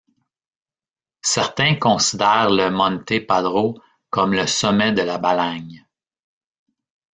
Certains considèrent le Monte Padro comme le sommet de la Balagne.